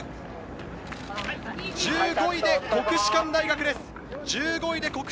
１５位で国士舘大学です。